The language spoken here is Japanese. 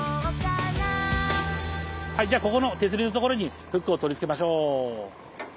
はいじゃあここの手すりの所にフックを取り付けましょう。